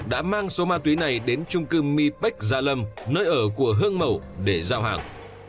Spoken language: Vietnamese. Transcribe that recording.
đã mang số ma túy này đến trung cư mi bách gia lâm nơi ở của hương mầu để giao hàng